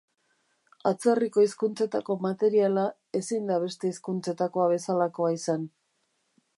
Atzerriko hizkuntzetako materiala ezin da beste hizkuntzetakoa bezalakoa izan.